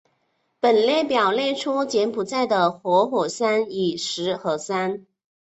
本列表列出柬埔寨的活火山与死火山。